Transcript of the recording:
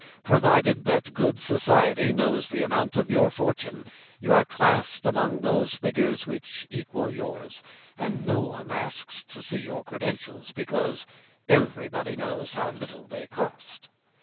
Provided that good society knows the amount of your fortune, you are classed among those figures which equal yours, and no one asks to see your credentials, because everybody knows how little they cost.